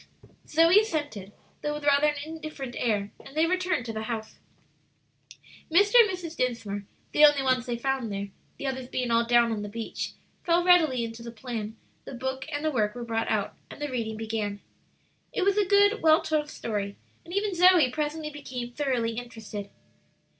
Zoe assented, though with rather an indifferent air, and they returned to the house. Mr. and Mrs. Dinsmore, the only ones they found there, the others being all down on the beach, fell readily into the plan; the book and the work were brought out, and the reading began. It was a good, well told story, and even Zoe presently became thoroughly interested.